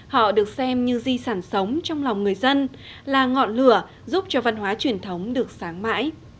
họ được xem như di sản sống trong lòng người dân là ngọn lửa giúp cho văn hóa truyền thống được sáng mãi